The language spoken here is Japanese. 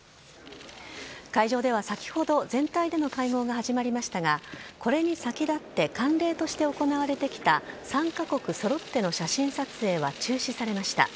会場では先ほど全体での会合が始まりましたがこれに先立って慣例として行われてきた参加国揃っての写真撮影は中止されました。